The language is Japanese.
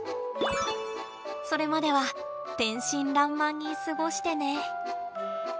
それまでは天真爛漫に過ごしてね！